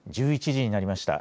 １１時になりました。